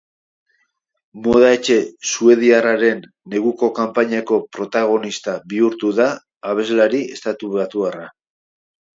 Moda etxe suediarraren neguko kanpainako protagonista bihurtu da abeslari estatubatuarra.